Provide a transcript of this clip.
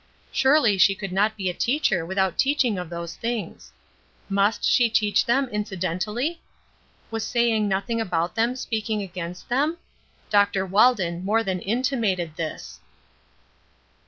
Surely she could not be a teacher without teaching of these things. Must she teach them incidentally? Was saying nothing about them speaking against them? Dr. Walden more than intimated this.